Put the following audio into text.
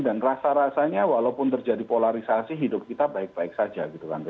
dan rasa rasanya walaupun terjadi polarisasi hidup kita baik baik saja gitu kan